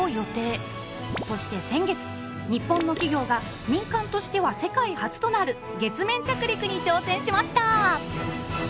そして先月日本の企業が民間としては世界初となる月面着陸に挑戦しました！